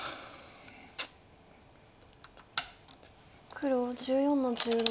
黒１４の十六。